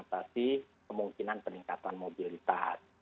atau mengatasi kemungkinan peningkatan mobilitas